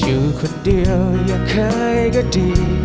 อยู่คนเดียวอย่าเคยก็จริง